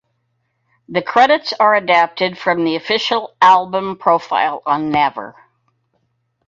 The credits are adapted from the official album profile on Naver.